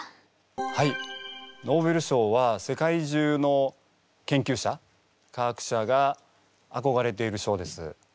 はいノーベル賞は世界中の研究者科学者があこがれている賞です。